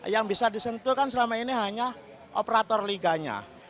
yang bisa disentuh kan selama ini hanya operator liganya